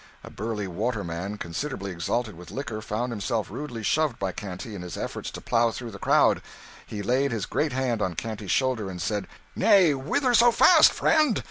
A burly waterman, considerably exalted with liquor, found himself rudely shoved by Canty in his efforts to plough through the crowd; he laid his great hand on Canty's shoulder and said "Nay, whither so fast, friend?